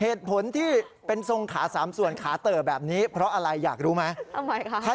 หนูคิดว่าที่ดีต้องการเสียโรคได้ส่วนหนึ่งค่ะ